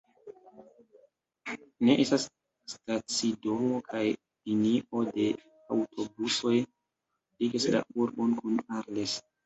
Ne estas stacidomo, kaj linio de aŭtobusoj ligas la urbon kun Arles.